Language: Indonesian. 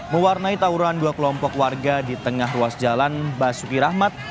mewarnai tawuran dua kelompok warga di tengah ruas jalan basuki rahmat